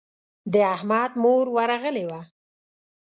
د احمد مور ورغلې وه.